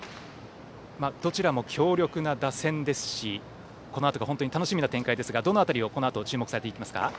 どちらも強力な打線ですしこのあとが本当に楽しみな展開ですがどの辺りをこのあと注目されていきますか。